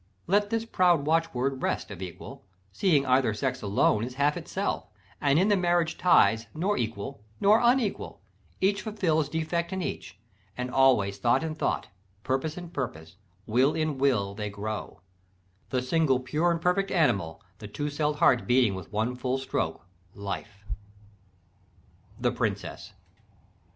... Let this proud watchword rest Of equal; seeing either sex alone Is half itself, and in the marriage ties Nor equal, nor unequal; each fulfils Defect in each, and always thought in thought, Purpose in purpose, will in will they grow, The single pure and perfect animal, The two cell'd heart beating with one full stroke Life." _The Princess.